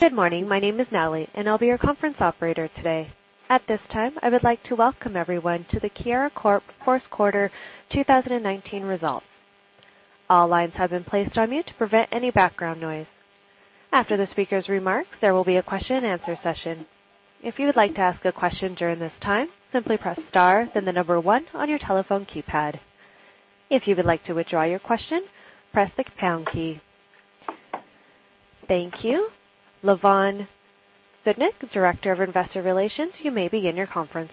Good morning. My name is Natalie, and I will be your conference operator today. At this time, I would like to welcome everyone to the Keyera Corp first quarter 2019 results. All lines have been placed on mute to prevent any background noise. After the speaker's remarks, there will be a question and answer session. If you would like to ask a question during this time, simply press star then the number 1 on your telephone keypad. If you would like to withdraw your question, press the pound key. Thank you. Lavonne Zdunich, Director of Investor Relations, you may begin your conference.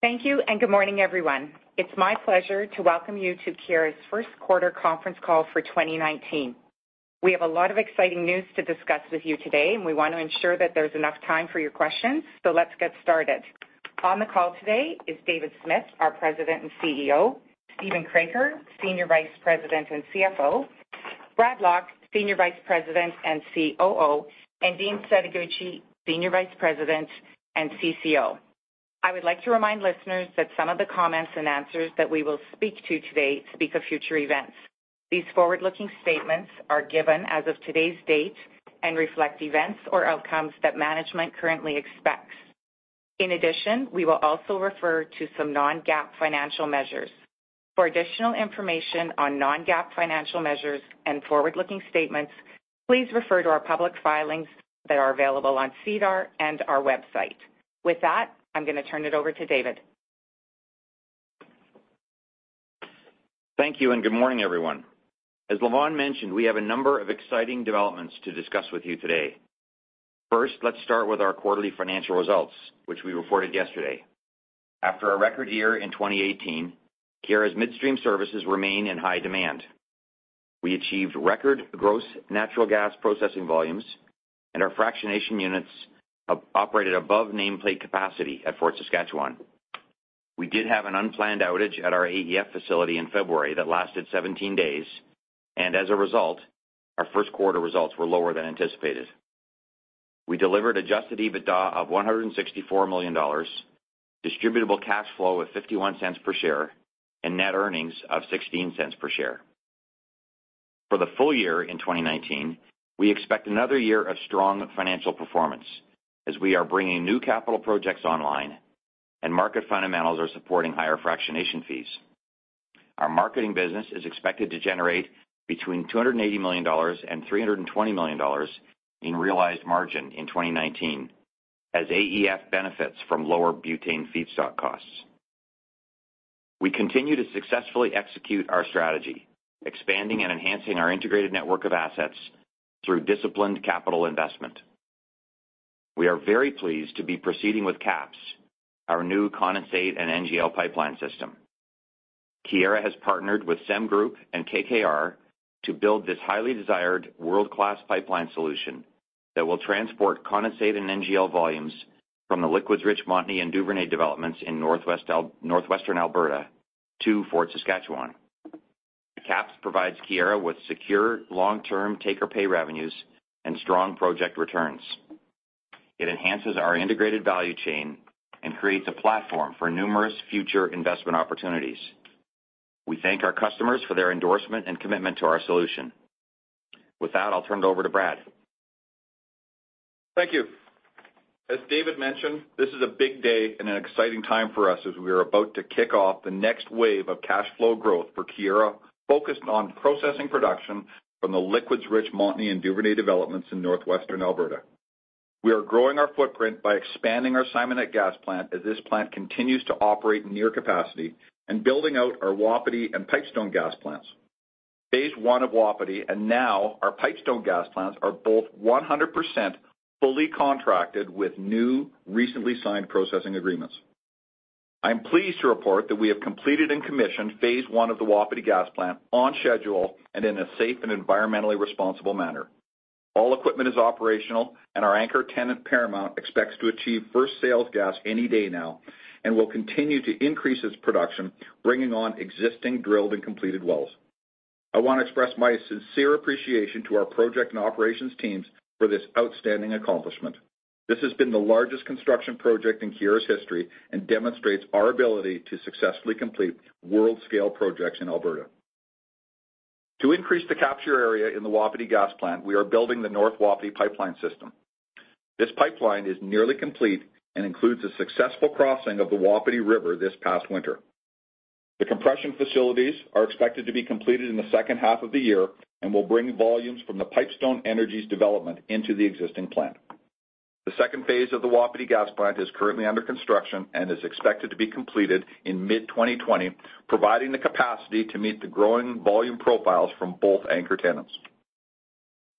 Thank you. Good morning, everyone. It is my pleasure to welcome you to Keyera's first quarter conference call for 2019. We have a lot of exciting news to discuss with you today. We want to ensure that there is enough time for your questions. Let us get started. On the call today is David Smith, our President and CEO, Steven Kroeker, Senior Vice President and CFO, Brad Lock, Senior Vice President and COO, and Dean Setoguchi, Senior Vice President and CCO. I would like to remind listeners that some of the comments and answers that we will speak to today speak of future events. These forward-looking statements are given as of today's date and reflect events or outcomes that management currently expects. In addition, we will also refer to some non-GAAP financial measures. For additional information on non-GAAP financial measures and forward-looking statements, please refer to our public filings that are available on SEDAR and our website. With that, I am going to turn it over to David. Thank you. Good morning, everyone. As Lavonne mentioned, we have a number of exciting developments to discuss with you today. First, let us start with our quarterly financial results, which we reported yesterday. After a record year in 2018, Keyera's midstream services remain in high demand. We achieved record gross natural gas processing volumes and our fractionation units operated above nameplate capacity at Fort Saskatchewan. We did have an unplanned outage at our AEF facility in February that lasted 17 days. As a result, our first quarter results were lower than anticipated. We delivered adjusted EBITDA of CAD 164 million, distributable cash flow of CAD 0.51 per share. Net earnings of 0.16 per share. For the full year in 2019, we expect another year of strong financial performance as we are bringing new capital projects online and market fundamentals are supporting higher fractionation fees. Our marketing business is expected to generate between 280 million dollars and 320 million dollars in realized margin in 2019 as AEF benefits from lower butane feedstock costs. We continue to successfully execute our strategy, expanding and enhancing our integrated network of assets through disciplined capital investment. We are very pleased to be proceeding with KAPS, our new condensate and NGL pipeline system. Keyera has partnered with SemGroup and KKR to build this highly desired world-class pipeline solution that will transport condensate and NGL volumes from the liquids-rich Montney and Duvernay developments in northwestern Alberta to Fort Saskatchewan. KAPS provides Keyera with secure long-term take-or-pay revenues and strong project returns. It enhances our integrated value chain and creates a platform for numerous future investment opportunities. We thank our customers for their endorsement and commitment to our solution. With that, I'll turn it over to Brad. Thank you. As David mentioned, this is a big day and an exciting time for us as we are about to kick off the next wave of cash flow growth for Keyera, focused on processing production from the liquids-rich Montney and Duvernay developments in northwestern Alberta. We are growing our footprint by expanding our Simonette gas plant as this plant continues to operate near capacity and building out our Wapiti and Pipestone gas plants. Phase 1 of Wapiti and now our Pipestone gas plants are both 100% fully contracted with new, recently signed processing agreements. I'm pleased to report that we have completed and commissioned phase 1 of the Wapiti gas plant on schedule and in a safe and environmentally responsible manner. All equipment is operational and our anchor tenant, Paramount, expects to achieve first sales gas any day now and will continue to increase its production, bringing on existing drilled and completed wells. I want to express my sincere appreciation to our project and operations teams for this outstanding accomplishment. This has been the largest construction project in Keyera's history and demonstrates our ability to successfully complete world-scale projects in Alberta. To increase the capture area in the Wapiti gas plant, we are building the North Wapiti pipeline system. This pipeline is nearly complete and includes a successful crossing of the Wapiti River this past winter. The compression facilities are expected to be completed in the second half of the year and will bring volumes from the Pipestone Energy's development into the existing plant. The phase 2 of the Wapiti gas plant is currently under construction and is expected to be completed in mid-2020, providing the capacity to meet the growing volume profiles from both anchor tenants.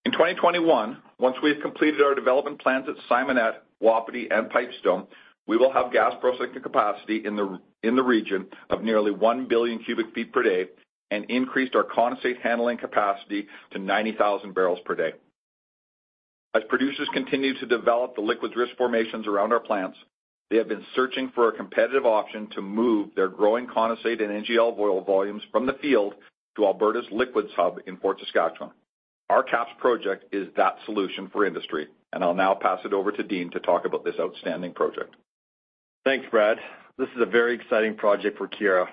In 2021, once we have completed our development plans at Simonette, Wapiti, and Pipestone, we will have gas processing capacity in the region of nearly 1 billion cubic feet per day and increased our condensate handling capacity to 90,000 barrels per day. As producers continue to develop the liquids-rich formations around our plants, they have been searching for a competitive option to move their growing condensate and NGL oil volumes from the field to Alberta's liquids hub in Fort Saskatchewan. Our KAPS project is that solution for industry. I'll now pass it over to Dean to talk about this outstanding project. Thanks, Brad. This is a very exciting project for Keyera.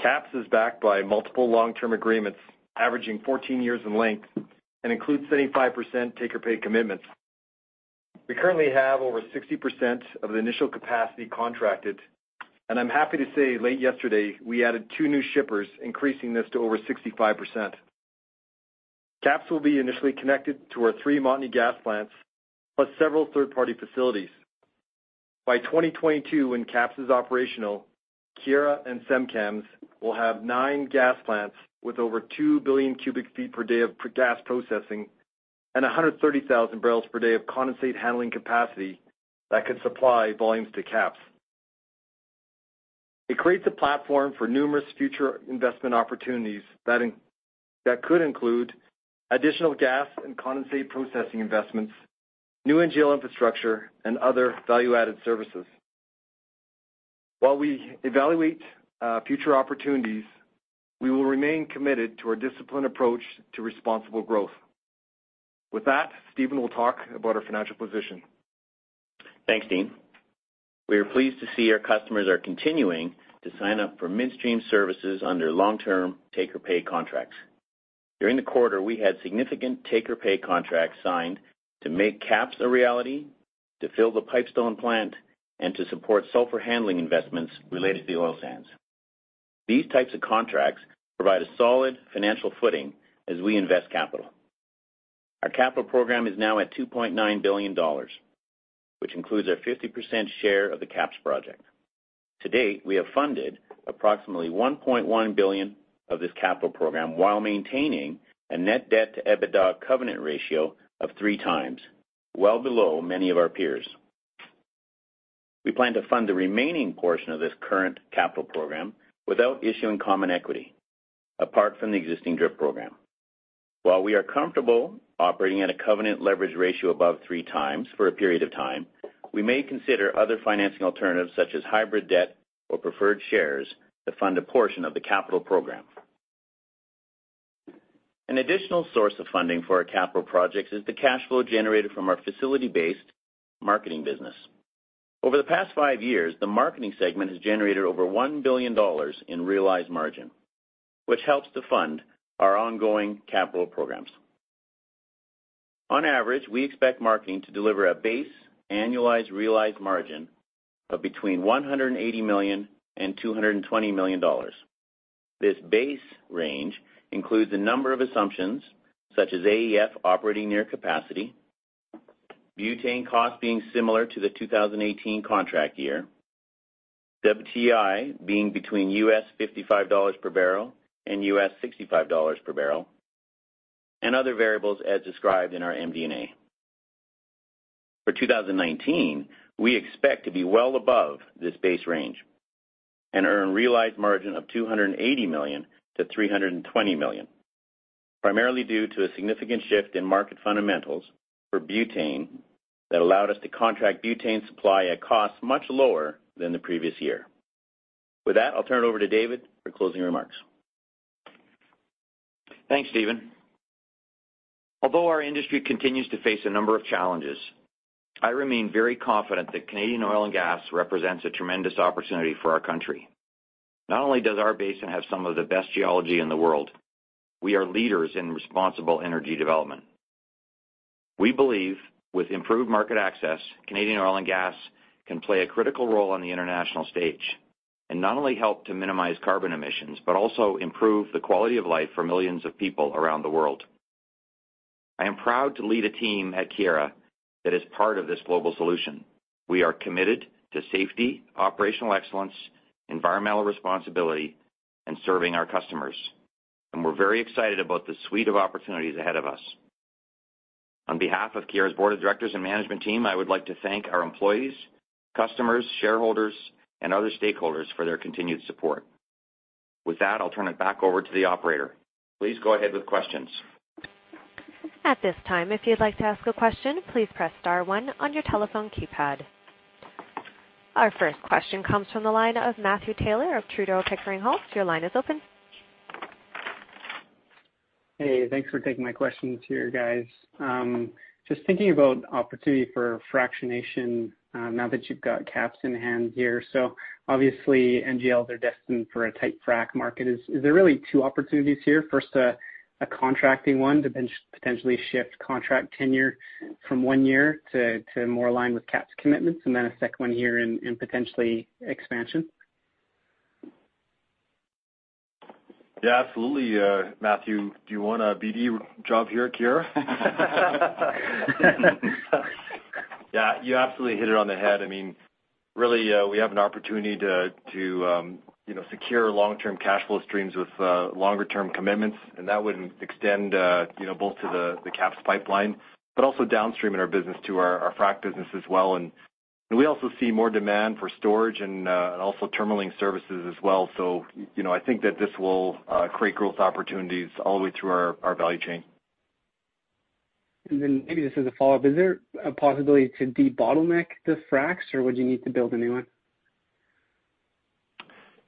KAPS is backed by multiple long-term agreements averaging 14 years in length and includes 75% take-or-pay commitments. We currently have over 60% of the initial capacity contracted, and I'm happy to say late yesterday, we added two new shippers, increasing this to over 65%. KAPS will be initially connected to our three Montney gas plants plus several third-party facilities. By 2022, when KAPS is operational, Keyera and SemCAMS will have nine gas plants with over 2 billion cubic feet per day of gas processing and 130,000 barrels per day of condensate handling capacity that can supply volumes to KAPS. It creates a platform for numerous future investment opportunities that could include additional gas and condensate processing investments, new NGL infrastructure, and other value-added services. While we evaluate future opportunities, we will remain committed to our disciplined approach to responsible growth. With that, Steven will talk about our financial position. Thanks, Dean. We are pleased to see our customers are continuing to sign up for midstream services under long-term take-or-pay contracts. During the quarter, we had significant take-or-pay contracts signed to make KAPS a reality, to fill the Pipestone plant, and to support sulfur handling investments related to the oil sands. These types of contracts provide a solid financial footing as we invest capital. Our capital program is now at 2.9 billion dollars, which includes our 50% share of the KAPS project. To date, we have funded approximately 1.1 billion of this capital program while maintaining a net debt-to-EBITDA covenant ratio of three times, well below many of our peers. We plan to fund the remaining portion of this current capital program without issuing common equity, apart from the existing DRIP program. While we are comfortable operating at a covenant leverage ratio above three times for a period of time, we may consider other financing alternatives such as hybrid debt or preferred shares to fund a portion of the capital program. An additional source of funding for our capital projects is the cash flow generated from our facility-based marketing business. Over the past five years, the marketing segment has generated over 1 billion dollars in realized margin, which helps to fund our ongoing capital programs. On average, we expect marketing to deliver a base annualized realized margin of between 180 million and 220 million dollars. This base range includes a number of assumptions such as AEF operating near capacity, butane cost being similar to the 2018 contract year, WTI being between US $55 per barrel and US $65 per barrel, and other variables as described in our MD&A. For 2019, we expect to be well above this base range and earn realized margin of 280 million-320 million, primarily due to a significant shift in market fundamentals for butane that allowed us to contract butane supply at costs much lower than the previous year. With that, I'll turn it over to David for closing remarks. Thanks, Steven. Although our industry continues to face a number of challenges, I remain very confident that Canadian oil and gas represents a tremendous opportunity for our country. Not only does our basin have some of the best geology in the world, we are leaders in responsible energy development. We believe with improved market access, Canadian oil and gas can play a critical role on the international stage and not only help to minimize carbon emissions, but also improve the quality of life for millions of people around the world. I am proud to lead a team at Keyera that is part of this global solution. We are committed to safety, operational excellence, environmental responsibility, and serving our customers, and we're very excited about the suite of opportunities ahead of us. On behalf of Keyera's board of directors and management team, I would like to thank our employees, customers, shareholders, and other stakeholders for their continued support. With that, I'll turn it back over to the operator. Please go ahead with questions. At this time, if you'd like to ask a question, please press star one on your telephone keypad. Our first question comes from the line of Matthew Taylor of Tudor, Pickering, Holt & Co. Your line is open. Hey, thanks for taking my questions here, guys. Just thinking about opportunity for fractionation now that you've got KAPS in hand here. Obviously, NGLs are destined for a tight frac market. Is there really two opportunities here? First, a contracting one to potentially shift contract tenure from one year to more aligned with KAPS commitments, a second one here in potentially expansion? Yeah, absolutely. Matthew, do you want a BD job here at Keyera? Yeah, you absolutely hit it on the head. We have an opportunity to secure long-term cash flow streams with longer-term commitments, that would extend both to the KAPS pipeline, but also downstream in our business to our frac business as well. We also see more demand for storage and also terminalling services as well. I think that this will create growth opportunities all the way through our value chain. Maybe this is a follow-up. Is there a possibility to debottleneck the fracs, or would you need to build a new one?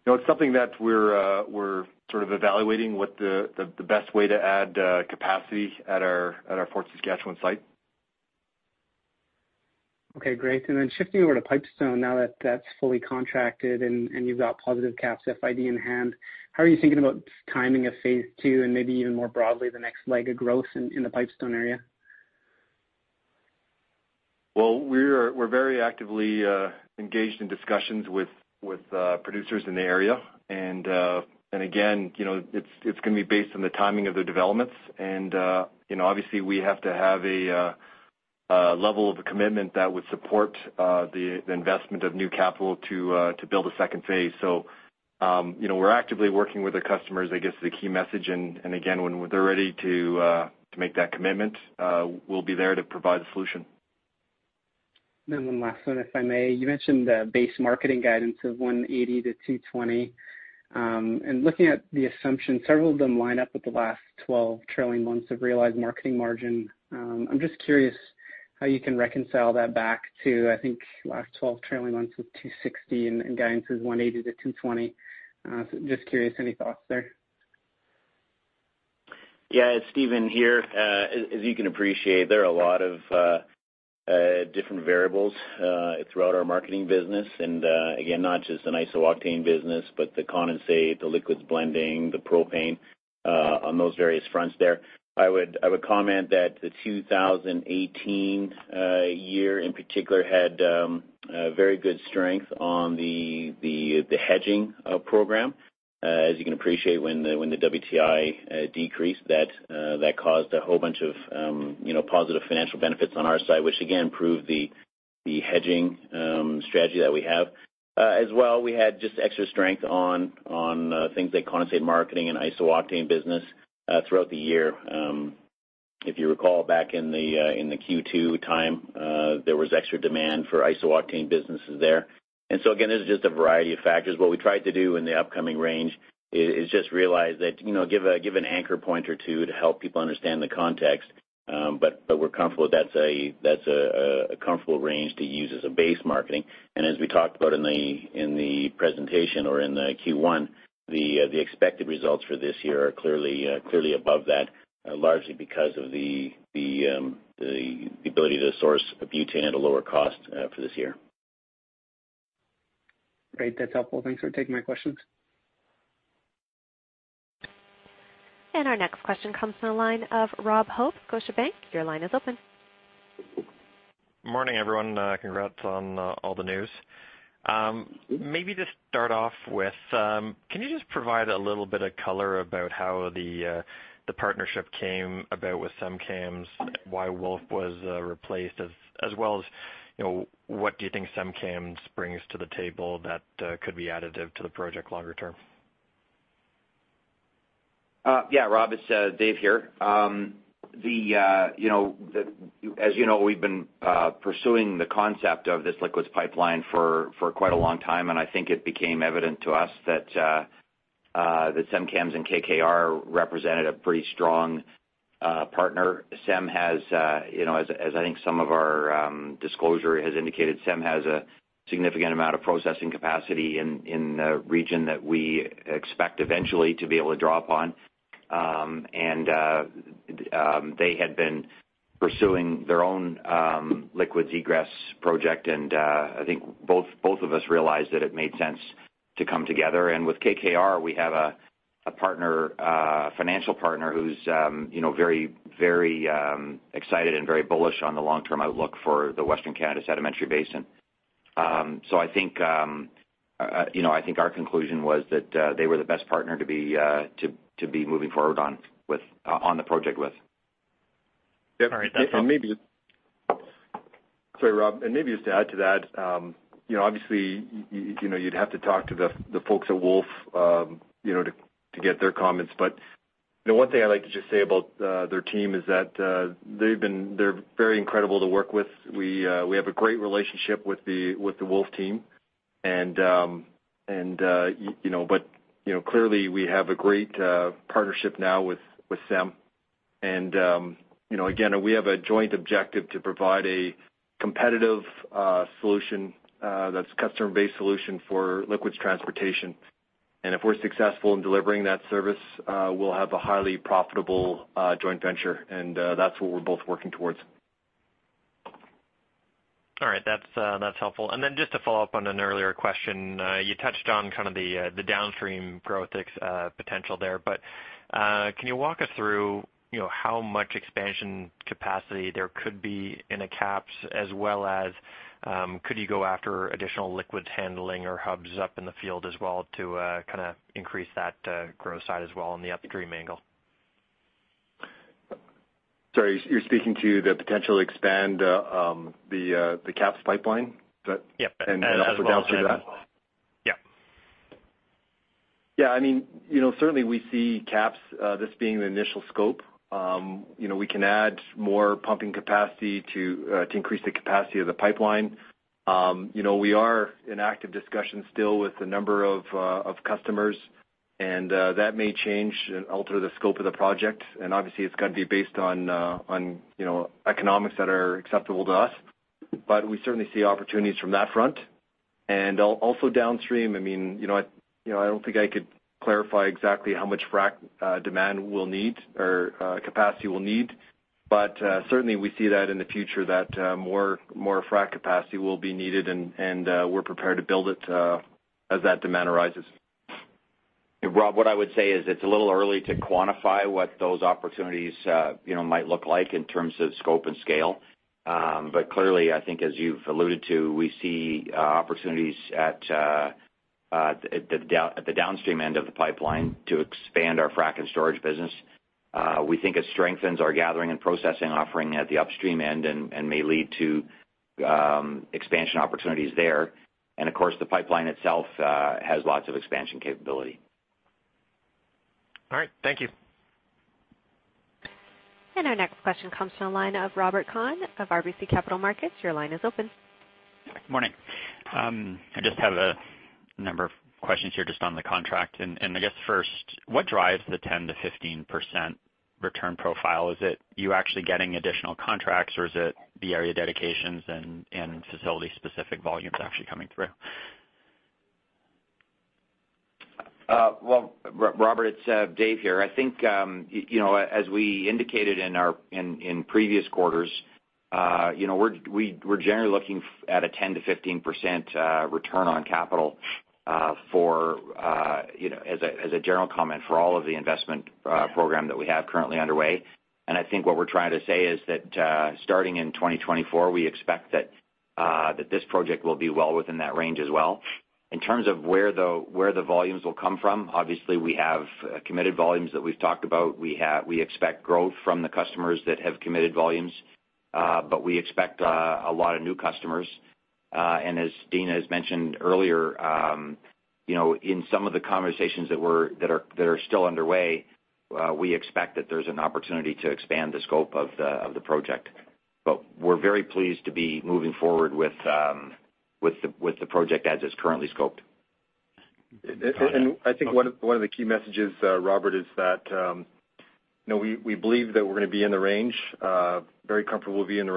No, it's something that we're sort of evaluating what the best way to add capacity at our Fort Saskatchewan site. Okay, great. Shifting over to Pipestone now that that's fully contracted and you've got positive CapEx FID in hand, how are you thinking about timing of phase 2 and maybe even more broadly, the next leg of growth in the Pipestone area? Well, we're very actively engaged in discussions with producers in the area. Again, it's going to be based on the timing of the developments. Obviously we have to have a level of commitment that would support the investment of new capital to build a second phase. We're actively working with our customers, I guess, is the key message. Again, when they're ready to make that commitment, we'll be there to provide the solution. One last one, if I may. You mentioned the base marketing guidance of 180 to 220. Looking at the assumptions, several of them line up with the last 12 trailing months of realized marketing margin. I'm just curious how you can reconcile that back to, I think, last 12 trailing months with 260 and guidance is 180 to 220. Just curious, any thoughts there? Yeah. It's Steven here. As you can appreciate, there are a lot of different variables throughout our marketing business. Again, not just an iso-octane business, but the condensate, the liquids blending, the propane, on those various fronts there. I would comment that the 2018 year in particular had very good strength on the hedging program. As you can appreciate, when the WTI decreased, that caused a whole bunch of positive financial benefits on our side, which again, proved the hedging strategy that we have. We had just extra strength on things like condensate marketing and iso-octane business throughout the year. If you recall back in the Q2 time, there was extra demand for iso-octane businesses there. Again, this is just a variety of factors. What we tried to do in the upcoming range is just realize that, give an anchor point or two to help people understand the context. We're comfortable that's a comfortable range to use as a base marketing. As we talked about in the presentation or in the Q1, the expected results for this year are clearly above that, largely because of the ability to source butane at a lower cost for this year. Great. That's helpful. Thanks for taking my questions. Our next question comes from the line of Rob Hope, Scotiabank. Your line is open. Morning, everyone. Congrats on all the news. Maybe just start off with, can you just provide a little bit of color about how the partnership came about with SemCAMS, why Wolf was replaced, as well as what do you think SemCAMS brings to the table that could be additive to the project longer term? Yeah. Rob, it's David here. As you know, we've been pursuing the concept of this liquids pipeline for quite a long time. I think it became evident to us that SemCAMS and KKR represented a pretty strong partner. As I think some of our disclosure has indicated, Sem has a significant amount of processing capacity in the region that we expect eventually to be able to draw upon. They had been pursuing their own liquids egress project. I think both of us realized that it made sense to come together. With KKR, we have a financial partner who's very excited and very bullish on the long-term outlook for the Western Canada Sedimentary Basin. I think our conclusion was that they were the best partner to be moving forward on the project with. All right. That's helpful. Sorry, Rob. Maybe just to add to that, obviously, you'd have to talk to the folks at Wolf to get their comments. The one thing I'd like to just say about their team is that they're very incredible to work with. We have a great relationship with the Wolf team. Clearly, we have a great partnership now with Sem. Again, we have a joint objective to provide a competitive solution that's a customer-based solution for liquids transportation. If we're successful in delivering that service, we'll have a highly profitable joint venture, and that's what we're both working towards. All right. That's helpful. Then just to follow up on an earlier question, you touched on kind of the downstream growth potential there. Can you walk us through how much expansion capacity there could be in a KAPS as well as could you go after additional liquids handling or hubs up in the field as well to kind of increase that growth side as well on the upstream angle? Sorry, you're speaking to the potential to expand the KAPS pipeline? Yep. As well as that. Also downstream? Yep. Yeah. Certainly we see KAPS, this being the initial scope. We can add more pumping capacity to increase the capacity of the pipeline. We are in active discussions still with a number of customers, and that may change and alter the scope of the project. Obviously, it's got to be based on economics that are acceptable to us. We certainly see opportunities from that front. And also downstream, I don't think I could clarify exactly how much frack demand we'll need or capacity we'll need, but certainly we see that in the future, that more frack capacity will be needed, and we're prepared to build it as that demand arises. Rob, what I would say is it's a little early to quantify what those opportunities might look like in terms of scope and scale. Clearly, I think as you've alluded to, we see opportunities at the downstream end of the pipeline to expand our frack and storage business. We think it strengthens our gathering and processing offering at the upstream end and may lead to expansion opportunities there. Of course, the pipeline itself has lots of expansion capability. All right. Thank you. Our next question comes from the line of Robert Kwan of RBC Capital Markets. Your line is open. Morning. I just have a number of questions here just on the contract. I guess first, what drives the 10%-15% return profile? Is it you actually getting additional contracts or is it the area dedications and facility-specific volumes actually coming through? Well, Robert, it's David here. I think, as we indicated in previous quarters, we're generally looking at a 10%-15% return on capital as a general comment for all of the investment program that we have currently underway. I think what we're trying to say is that starting in 2024, we expect that this project will be well within that range as well. In terms of where the volumes will come from, obviously we have committed volumes that we've talked about. We expect growth from the customers that have committed volumes. We expect a lot of new customers. As Dean has mentioned earlier, in some of the conversations that are still underway, we expect that there's an opportunity to expand the scope of the project. We're very pleased to be moving forward with the project as it's currently scoped. I think one of the key messages, Robert, is that we believe that we're going to be in the range, very comfortable be in the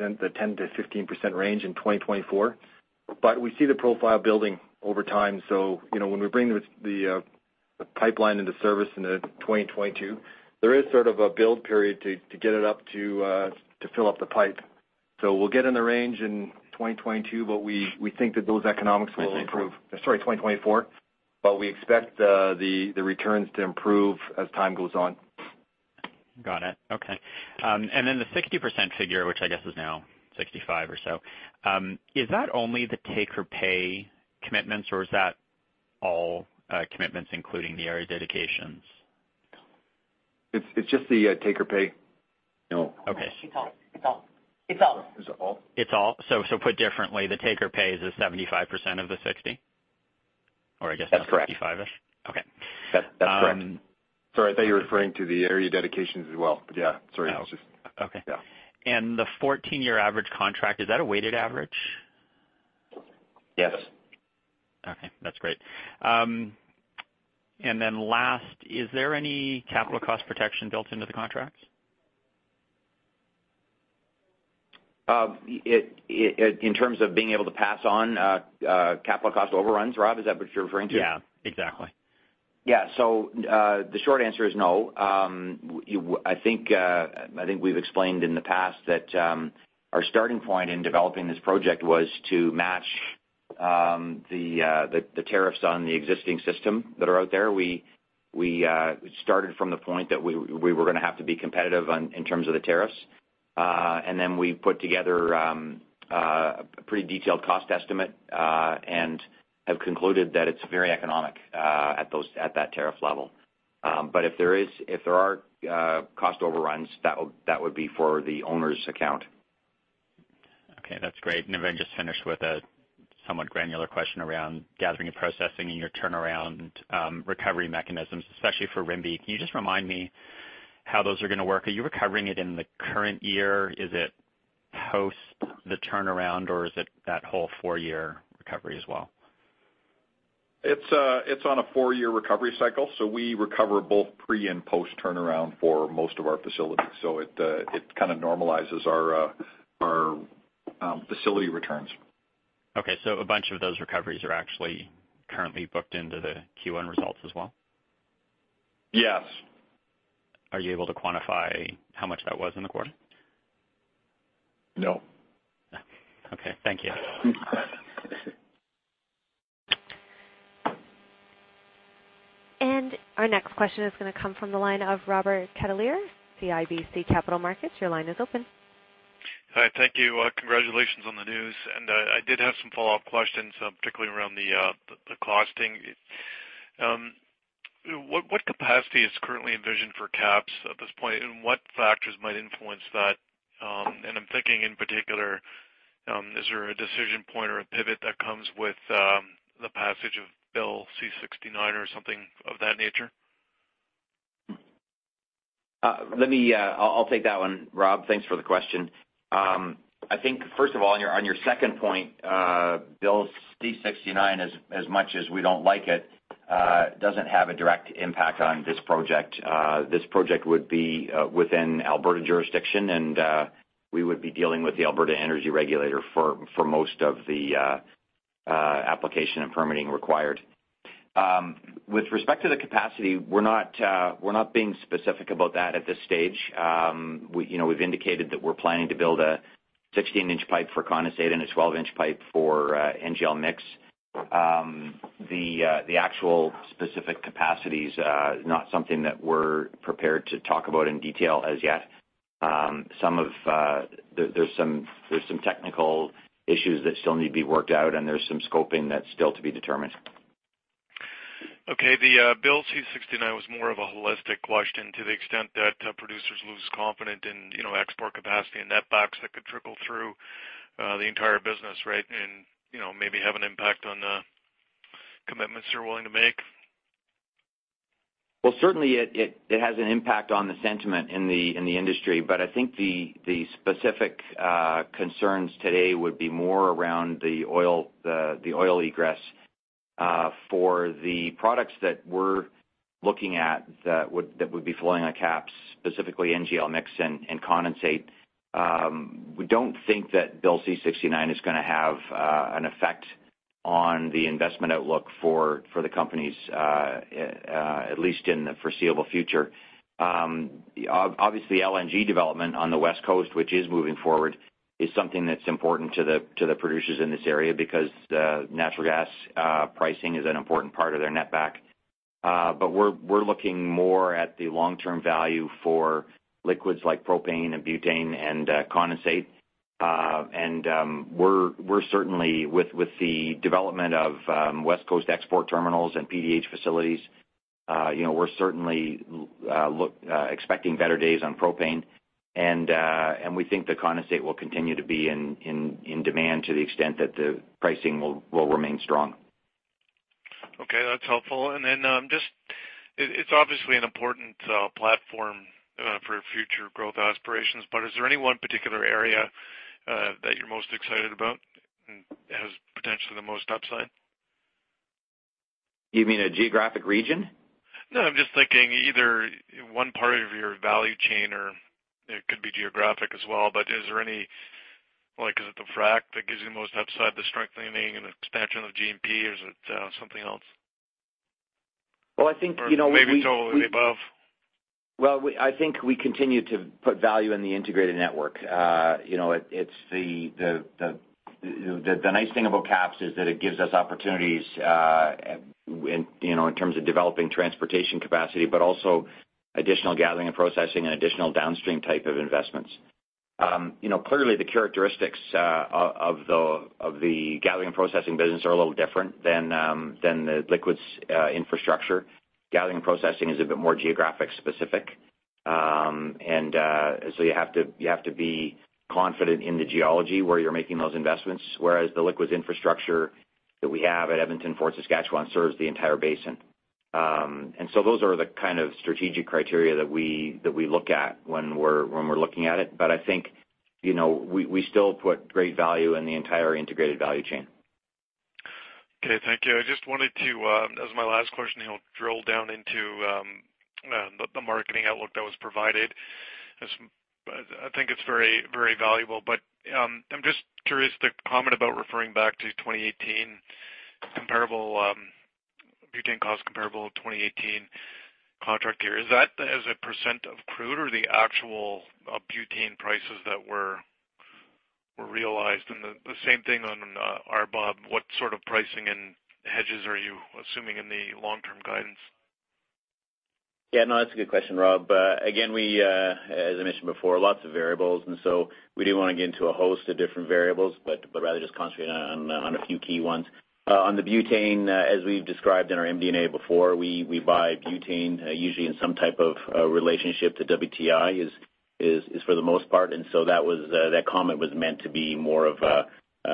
10%-15% range in 2024. We see the profile building over time, so when we bring the pipeline into service in 2022, there is sort of a build period to get it up to fill up the pipe. We'll get in the range in 2022, but we think that those economics will improve. Sorry, 2024. We expect the returns to improve as time goes on. Got it. Okay. Then the 60% figure, which I guess is now 65% or so, is that only the take-or-pay commitments or is that all commitments, including the area dedications? It's just the take-or-pay. No. Okay. It's all. It's all? It's all? Put differently, the take-or-pay is the 75% of the 60%? That's correct. 65-ish. Okay. That's correct. Sorry. I thought you were referring to the area dedications as well. Oh, okay. Yeah. The 14-year average contract, is that a weighted average? Yes. Okay. That's great. Last, is there any capital cost protection built into the contracts? In terms of being able to pass on capital cost overruns, Rob, is that what you're referring to? Yeah, exactly. Yeah. The short answer is no. I think we've explained in the past that our starting point in developing this project was to match the tariffs on the existing system that are out there. We started from the point that we were going to have to be competitive in terms of the tariffs. Then we put together a pretty detailed cost estimate, and have concluded that it's very economic at that tariff level. If there are cost overruns, that would be for the owner's account. Okay. That's great. If I can just finish with a somewhat granular question around gathering and processing and your turnaround recovery mechanisms, especially for Rimbey. Can you just remind me how those are going to work? Are you recovering it in the current year? Is it post the turnaround or is it that whole four-year recovery as well? It's on a four-year recovery cycle, we recover both pre and post turnaround for most of our facilities. It kind of normalizes our facility returns. Okay, a bunch of those recoveries are actually currently booked into the Q1 results as well? Yes. Are you able to quantify how much that was in the quarter? No. Okay. Thank you. Our next question is going to come from the line of Robert Catellier, CIBC Capital Markets. Your line is open. Hi. Thank you. Congratulations on the news. I did have some follow-up questions, particularly around the costing. What capacity is currently envisioned for KAPS at this point, and what factors might influence that? I'm thinking in particular, is there a decision point or a pivot that comes with the passage of Bill C-69 or something of that nature? I'll take that one, Rob. Thanks for the question. I think first of all, on your second point, Bill C-69, as much as we don't like it. It doesn't have a direct impact on this project. This project would be within Alberta jurisdiction, and we would be dealing with the Alberta Energy Regulator for most of the application and permitting required. With respect to the capacity, we're not being specific about that at this stage. We've indicated that we're planning to build a 16-inch pipe for condensate and a 12-inch pipe for NGL mix. The actual specific capacity's not something that we're prepared to talk about in detail as yet. There's some technical issues that still need to be worked out, and there's some scoping that's still to be determined. Okay. The Bill C-69 was more of a holistic question to the extent that producers lose confidence in export capacity and net backs that could trickle through the entire business, right, maybe have an impact on the commitments you're willing to make. Well, certainly it has an impact on the sentiment in the industry, I think the specific concerns today would be more around the oil egress. For the products that we're looking at that would be flowing on KAPS, specifically NGL mix and condensate, we don't think that Bill C-69 is going to have an effect on the investment outlook for the companies, at least in the foreseeable future. Obviously, LNG development on the West Coast, which is moving forward, is something that's important to the producers in this area because natural gas pricing is an important part of their net back. We're looking more at the long-term value for liquids like propane and butane and condensate. With the development of West Coast export terminals and PDH facilities, we're certainly expecting better days on propane. We think the condensate will continue to be in demand to the extent that the pricing will remain strong. Okay. That's helpful. Then, it's obviously an important platform for future growth aspirations, but is there any one particular area that you're most excited about and has potentially the most upside? You mean a geographic region? No, I'm just thinking either one part of your value chain, or it could be geographic as well, but is there any Is it the frack that gives you the most upside, the strengthening and expansion of G&P, or is it something else? Well, I think. I think it's all of the above. Well, I think we continue to put value in the integrated network. The nice thing about KAPS is that it gives us opportunities in terms of developing transportation capacity, but also additional Gathering and Processing and additional downstream type of investments. Clearly, the characteristics of the Gathering and Processing business are a little different than the liquids infrastructure. Gathering and Processing is a bit more geographic specific. You have to be confident in the geology where you're making those investments, whereas the liquids infrastructure that we have at Edmonton, Fort Saskatchewan, serves the entire basin. Those are the kind of strategic criteria that we look at when we're looking at it. I think we still put great value in the entire integrated value chain. Okay, thank you. I just wanted to, as my last question, drill down into the marketing outlook that was provided. I think it's very valuable, but I'm just curious, the comment about referring back to 2018 butane cost comparable 2018 contract here, is that as a % of crude or the actual butane prices that were realized? The same thing on RBOB, what sort of pricing and hedges are you assuming in the long-term guidance? Yeah, no, that's a good question, Rob. Again, as I mentioned before, lots of variables, we didn't want to get into a host of different variables, but rather just concentrate on a few key ones. On the butane, as we've described in our MD&A before, we buy butane usually in some type of relationship to WTI is for the most part, that comment was meant to be more of a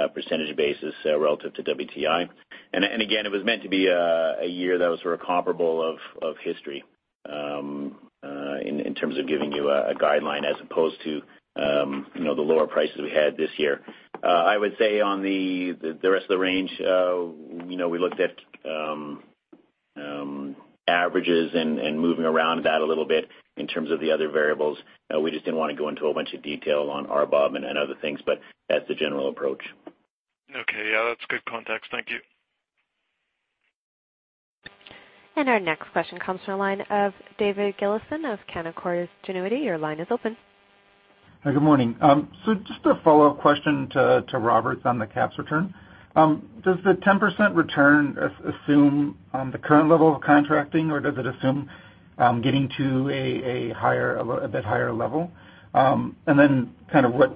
% basis relative to WTI. Again, it was meant to be a year that was sort of comparable of history in terms of giving you a guideline as opposed to the lower prices we had this year. I would say on the rest of the range, we looked at averages and moving around that a little bit in terms of the other variables. We just didn't want to go into a bunch of detail on RBOB and other things, but that's the general approach. Okay. Yeah, that's good context. Thank you. Our next question comes from the line of David Galison of Canaccord Genuity. Your line is open. Hi, good morning. Just a follow-up question to Robert's on the KAPS return. Does the 10% return assume the current level of contracting, or does it assume getting to a bit higher level? Then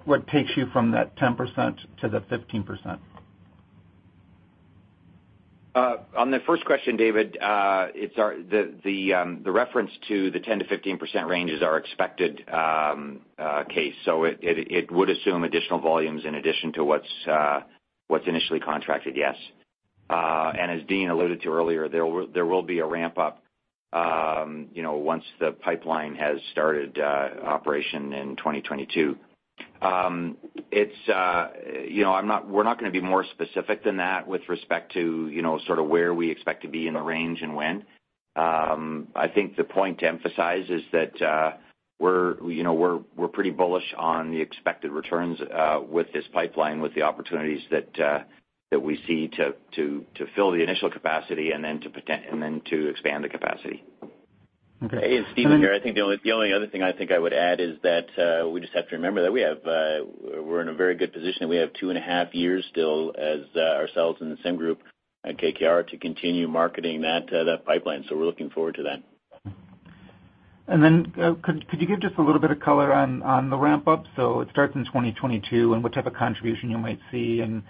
what takes you from that 10% to the 15%? On the first question, David, the reference to the 10%-15% range is our expected case. It would assume additional volumes in addition to what's initially contracted, yes. As Dean alluded to earlier, there will be a ramp-up once the pipeline has started operation in 2022. We're not going to be more specific than that with respect to sort of where we expect to be in the range and when. I think the point to emphasize is that we're pretty bullish on the expected returns with this pipeline, with the opportunities that we see to fill the initial capacity and then to expand the capacity. Okay. It's Steven here. I think the only other thing I would add is that we just have to remember that we're in a very good position, and we have two and a half years still as ourselves and the SemCAMS Midstream at KKR to continue marketing that pipeline. We're looking forward to that. Could you give just a little bit of color on the ramp-up? It starts in 2022, what type of contribution you might see, is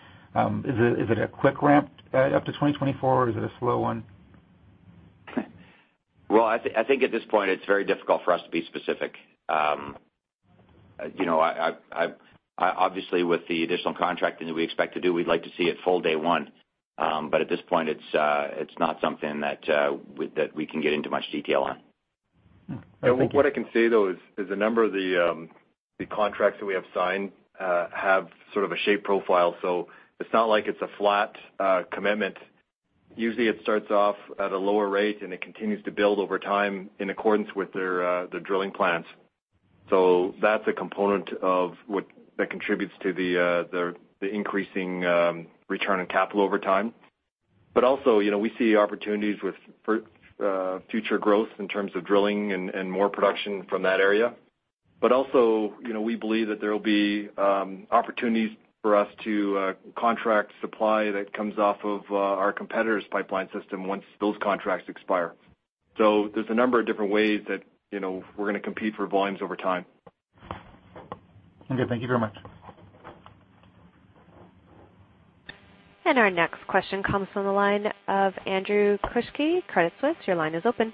it a quick ramp-up to 2024 or is it a slow one? Well, I think at this point it's very difficult for us to be specific. Obviously, with the additional contracting that we expect to do, we'd like to see it full day one. At this point, it's not something that we can get into much detail on. Thank you. What I can say, though, is a number of the contracts that we have signed have sort of a shape profile. It's not like it's a flat commitment. Usually, it starts off at a lower rate, and it continues to build over time in accordance with their drilling plans. That's a component that contributes to the increasing return on capital over time. Also, we see opportunities with future growth in terms of drilling and more production from that area. Also, we believe that there will be opportunities for us to contract supply that comes off of our competitor's pipeline system once those contracts expire. There's a number of different ways that we're going to compete for volumes over time. Okay. Thank you very much. Our next question comes from the line of Andrew Kuske, Credit Suisse. Your line is open.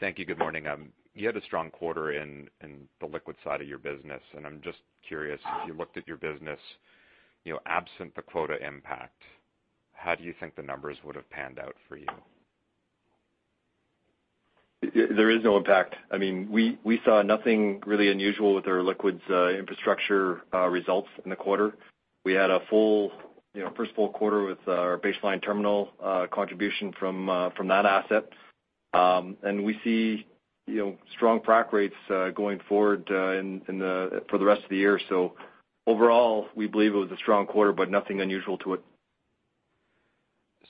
Thank you. Good morning. You had a strong quarter in the liquid side of your business, I'm just curious, if you looked at your business, absent the quota impact, how do you think the numbers would have panned out for you? There is no impact. We saw nothing really unusual with our liquids infrastructure results in the quarter. We had a first full quarter with our Base Line Terminal contribution from that asset. We see strong frac rates going forward for the rest of the year. Overall, we believe it was a strong quarter, but nothing unusual to it.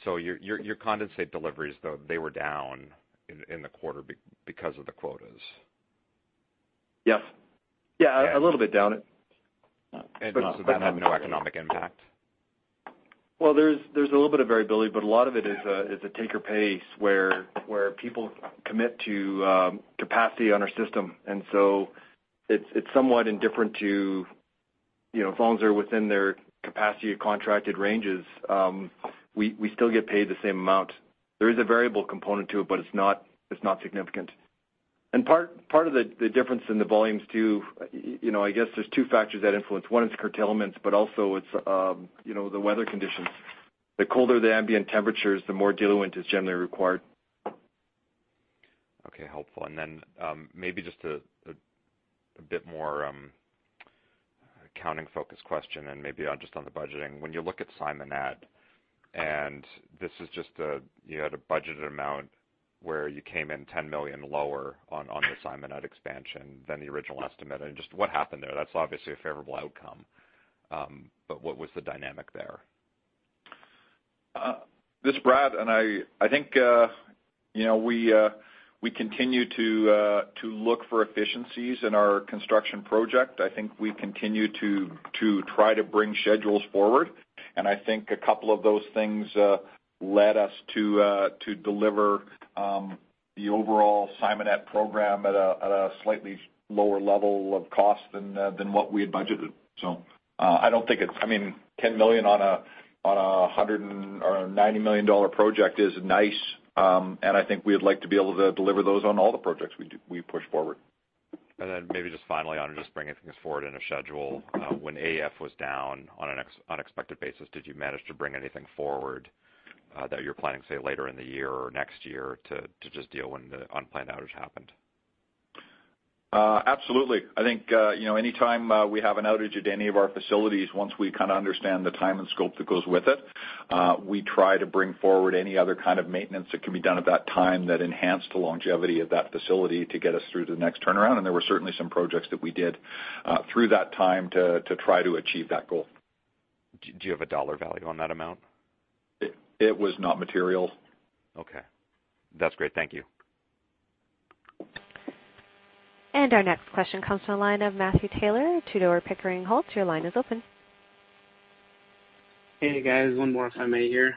Your condensate deliveries, though, they were down in the quarter because of the quotas. Yes. A little bit down. That had no economic impact? Well, there's a little bit of variability, but a lot of it is a take-or-pay where people commit to capacity on our system. It's somewhat indifferent to volumes are within their capacity contracted ranges. We still get paid the same amount. There is a variable component to it, but it's not significant. Part of the difference in the volumes, too, I guess there's two factors that influence. One is curtailments, but also it's the weather conditions. The colder the ambient temperatures, the more diluent is generally required. Okay. Helpful. Maybe just a bit more accounting-focused question and maybe just on the budgeting. When you look at Simonette, this is just a budgeted amount where you came in 10 million lower on the Simonette expansion than the original estimate. What happened there? That's obviously a favorable outcome, but what was the dynamic there? This is Brad. I think we continue to look for efficiencies in our construction project. I think we continue to try to bring schedules forward. I think a couple of those things led us to deliver the overall Simonette program at a slightly lower level of cost than what we had budgeted. I don't think it's 10 million on a 90 million dollar project is nice, I think we'd like to be able to deliver those on all the projects we push forward. Maybe just finally on just bringing things forward in a schedule. When AEF was down on an unexpected basis, did you manage to bring anything forward that you are planning, say, later in the year or next year to just deal when the unplanned outage happened? Absolutely. I think anytime we have an outage at any of our facilities, once we kind of understand the time and scope that goes with it, we try to bring forward any other kind of maintenance that can be done at that time that enhanced the longevity of that facility to get us through to the next turnaround. There were certainly some projects that we did through that time to try to achieve that goal. Do you have a dollar value on that amount? It was not material. Okay. That's great. Thank you. Our next question comes from the line of Matthew Taylor, Tudor, Pickering, Holt. Your line is open. Hey, guys. One more time, Matt here.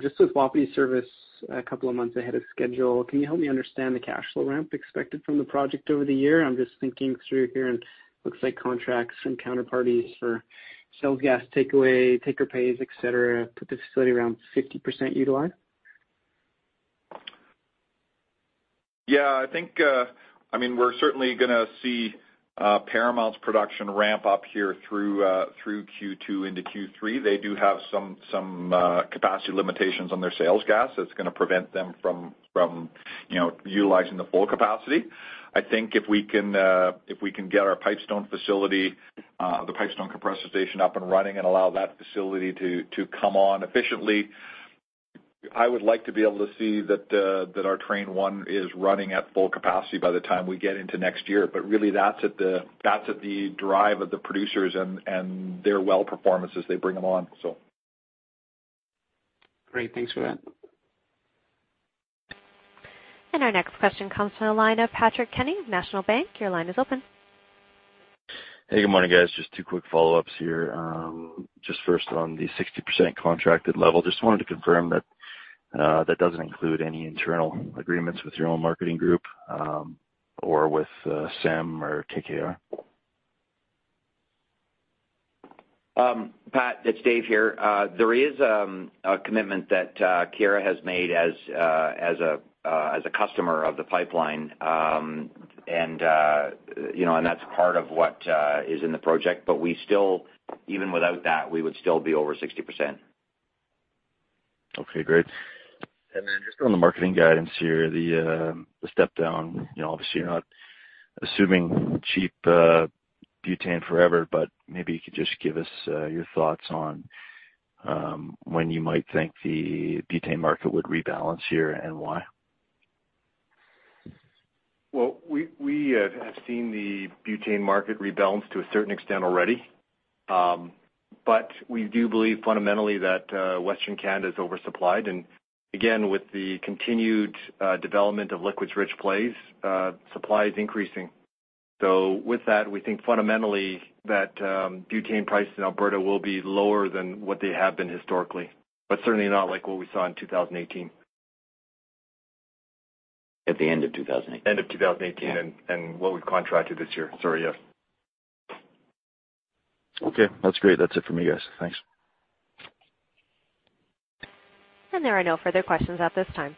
Just with Wapiti service a couple of months ahead of schedule, can you help me understand the cash flow ramp expected from the project over the year? I'm just thinking through here. Looks like contracts from counterparties for sell gas takeaway, take-or-pays, et cetera, put the facility around 50% utilized. Yeah, we're certainly going to see Paramount's production ramp up here through Q2 into Q3. They do have some capacity limitations on their sales gas that's going to prevent them from utilizing the full capacity. I think if we can get our Pipestone facility, the Pipestone compressor station, up and running and allow that facility to come on efficiently, I would like to be able to see that our train one is running at full capacity by the time we get into next year. Really that's at the drive of the producers and their well performance as they bring them on. Great. Thanks for that. Our next question comes from the line of Patrick Kenny of National Bank. Your line is open. Hey, good morning, guys. Just two quick follow-ups here. Just first on the 60% contracted level, just wanted to confirm that that doesn't include any internal agreements with your own marketing group, or with SemCAMS or KKR. Pat, it's Dave here. There is a commitment that Keyera has made as a customer of the pipeline, and that's part of what is in the project. Even without that, we would still be over 60%. Okay, great. Just on the marketing guidance here, the step down. Obviously, you're not assuming cheap butane forever, maybe you could just give us your thoughts on when you might think the butane market would rebalance here and why. Well, we have seen the butane market rebalance to a certain extent already. We do believe fundamentally that Western Canada is oversupplied. Again, with the continued development of liquids-rich plays, supply is increasing. With that, we think fundamentally that butane prices in Alberta will be lower than what they have been historically, but certainly not like what we saw in 2018. At the end of 2018. End of 2018. Yeah What we've contracted this year. Sorry, yeah. Okay, that's great. That's it for me, guys. Thanks. There are no further questions at this time.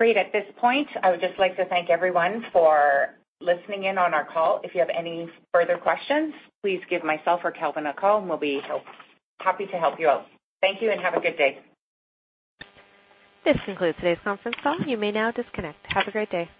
Great. At this point, I would just like to thank everyone for listening in on our call. If you have any further questions, please give myself or Calvin a call, and we'll be happy to help you out. Thank you and have a good day. This concludes today's conference call. You may now disconnect. Have a great day.